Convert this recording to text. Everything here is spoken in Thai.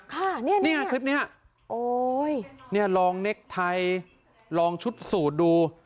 ค่ะเนี่ยคลิปนี้ลองเน็กไทยลองชุดสูตรดู